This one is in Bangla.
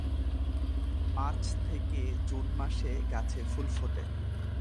মার্চ থেকে জুন মাসে গাছে ফুল ফোটে।